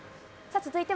続いては。